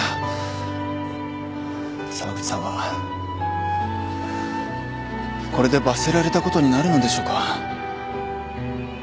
沢口さんはこれで罰せられたことになるのでしょうか？